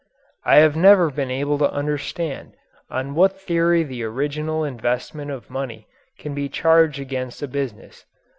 I have never been able to understand on what theory the original investment of money can be charged against a business.